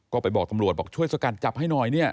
ก็ไปบอกตำรวจช่วยสกัดจับให้หน่อย